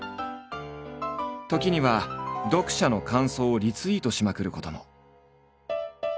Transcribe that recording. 時には読者の感想をリツイートしまくることも。